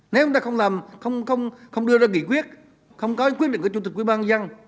nếu chúng ta không đưa ra nghị quyết không có quyết định của chủ tịch quyên bang dân